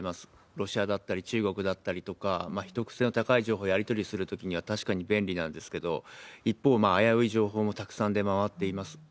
ロシアだったり、中国だったりとか、秘匿性の高い情報をやり取りするときには確かに便利なんですけど、一方、危うい情報もたくさん出回っています。